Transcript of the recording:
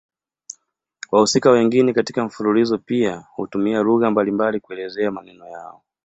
Wahusika wengine katika mfululizo pia hutumia lugha mbalimbali kuelezea maneno yao.